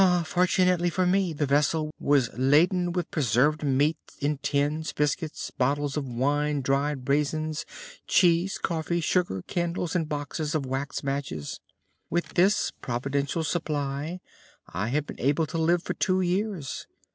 Fortunately for me, the vessel was laden with preserved meat in tins, biscuit, bottles of wine, dried raisins, cheese, coffee, sugar, candles, and boxes of wax matches. With this providential supply I have been able to live for two years.